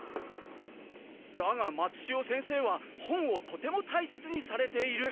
だが松千代先生は本をとても大切にされている。